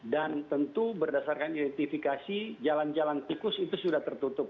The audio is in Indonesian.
dan tentu berdasarkan identifikasi jalan jalan tikus itu sudah tertutup